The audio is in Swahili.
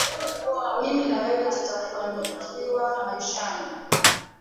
Mimi na wewe tutafanikiwa maishani.